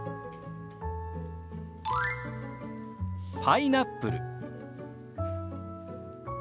「パイナップル」。